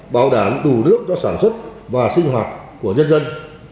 bảo đảm đủ nước cho sản xuất và sinh hoạt của nhân dân